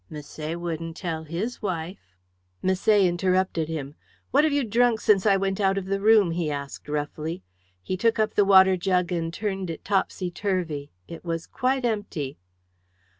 Misset wouldn't tell his wife." Misset interrupted him. "What have you drank since I went out of the room?" he asked roughly. He took up the water jug and turned it topsy turvy. It was quite empty.